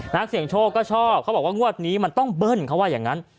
นักเสี่ยงโชคก็ชอบเขาบอกว่างวดนี้มันต้องเบิ้ลเขาว่าอย่างนั้น